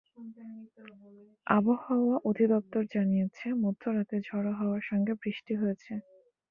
আবহাওয়া অধিদপ্তর জানিয়েছে, মধ্যরাতে ঝোড়ো হাওয়ার সঙ্গে বৃষ্টি হয়েছে।